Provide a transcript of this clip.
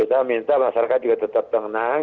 kita minta masyarakat juga tetap tenang